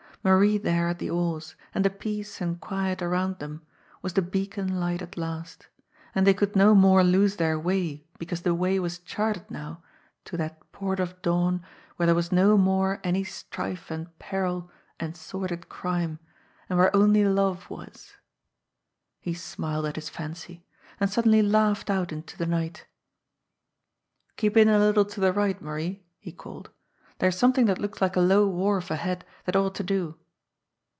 Marie there at the oars, and the peace and quiet around them, was the beacon fight at last; and they could no more lose their way because the way was charted now to that Port of Dawn where there was no more any strife and peril and sordid crime, and where only love was. He smiled at his fancy, and suddenly laughed out into the night. "Keep in a little to the right, Marie," he called. "There's something that looks like a low wharf ahead that ought to do."